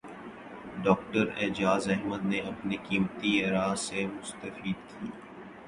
doctor Ijaz Ahmed نے اپنے قیمتی اراءسے مستفید کی